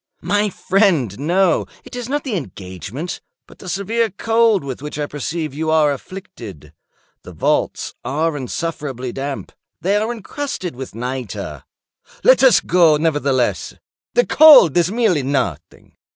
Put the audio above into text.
"My friend, no. It is not the engagement, but the severe cold with which I perceive you are afflicted. The vaults are insufferably damp. They are encrusted with nitre." "Let us go, nevertheless. The cold is merely nothing.